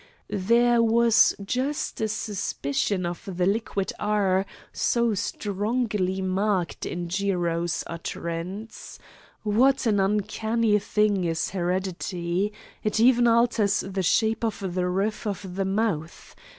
There was just a suspicion of the liquid "r" so strongly marked in Jiro's utterance. What an uncanny thing is heredity! It even alters the shape of the roof of the mouth.